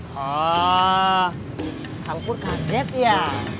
hah kang pur kaget ya